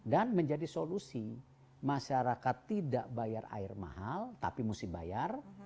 dan menjadi solusi masyarakat tidak bayar air mahal tapi mesti bayar